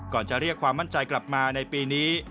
จะเรียกความมั่นใจกลับมาในปีนี้